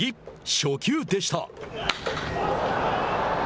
初球でした。